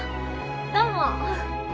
どうも！